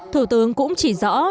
thủ tướng cũng chỉ rõ